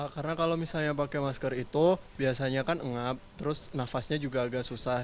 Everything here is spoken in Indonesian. karena kalau misalnya pakai masker itu biasanya kan ngap terus nafasnya juga agak susah